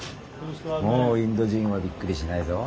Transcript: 「もうインド人はびっくりしないぞ。